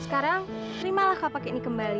sekarang perimalah kampak ini kembali